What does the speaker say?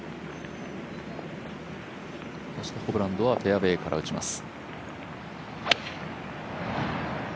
ホブランドはフェアウエーから打ちます。